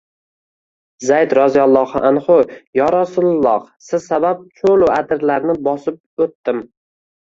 Zayd roziyallohu anhu: “Yo Rasululloh, siz sabab cho‘lu adirlarni bosib o‘tdim